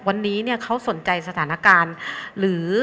วันนี้เนี่ยเขาสนใจสถานการณ์หรือ